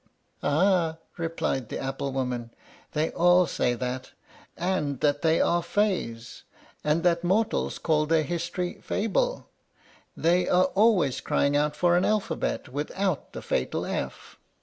'" "Ah!" replied the apple woman, "they all say that, and that they are fays, and that mortals call their history fable; they are always crying out for an alphabet without the fatal F."